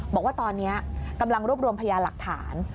บอกว่าตอนนี้กำลังรวบรวมพยาหลักฐาน